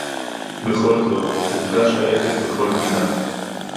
בְכָל זֹאת הֻרְגַּשׁ הָעֶצֶב בְּכָל פִּנָּה.